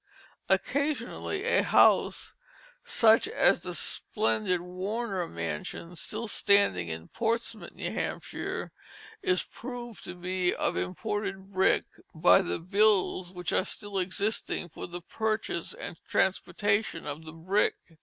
Occasionally a house, such as the splendid Warner Mansion, still standing in Portsmouth, New Hampshire, is proved to be of imported brick by the bills which are still existing for the purchase and transportation of the brick.